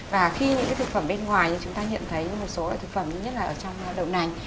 và khi những cái thực phẩm bên ngoài chúng ta nhận thấy một số là thực phẩm nhất là ở trong đậu nành